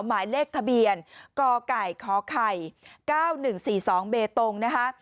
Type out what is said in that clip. หมายเลขทะเบียนกไก่ขไข่๙๑๔๒เบตงนะคะ